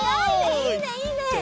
いいねいいね！